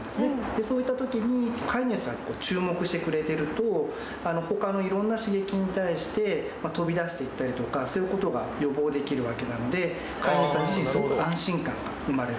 そういった時に飼い主さんに注目してくれてると他の色んな刺激に対して飛び出していったりとかそういう事が予防できるわけなので飼い主さん自身すごく安心感が生まれるわけですね。